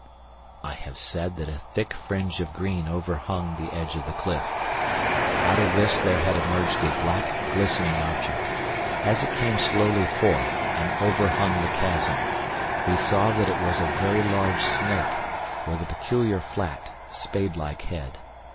I have said that a thick fringe of green overhung the edge of the cliff. Out of this there had emerged a black, glistening object. As it came slowly forth and overhung the chasm, we saw that it was a very large snake with a peculiar flat, spade like head.